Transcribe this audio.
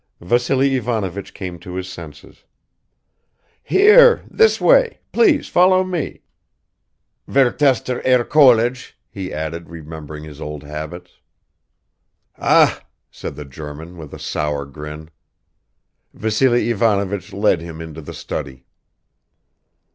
Vassily Ivanovich came to his senses. "Here, this way, please follow me, werthester Herr Kollege," he added, remembering his old habits. "Ah!" said the German with a sour grin. Vassily Ivanovich led him into the study.